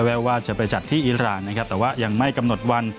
ว่าจะไปจัดที่อิราณนะครับแต่ว่ายังไม่กำหนดวัน